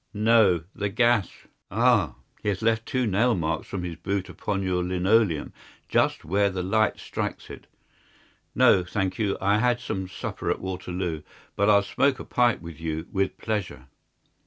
"No, the gas." "Ah! He has left two nail marks from his boot upon your linoleum just where the light strikes it. No, thank you, I had some supper at Waterloo, but I'll smoke a pipe with you with pleasure."